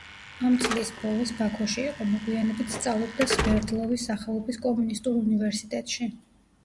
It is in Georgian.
ამ წლის ბოლოს ბაქოში იყო, მოგვიანებით სწავლობდა სვერდლოვის სახელობის კომუნისტურ უნივერსიტეტში.